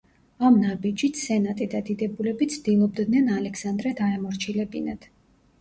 ამ ნაბიჯით, სენატი და დიდებულები ცდილობდნენ ალექსანდრე დაემორჩილებინათ.